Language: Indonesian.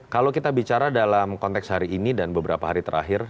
kalau kita bicara dalam konteks hari ini dan beberapa hari terakhir